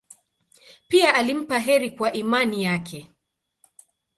Pia alimpa heri kwa imani yake.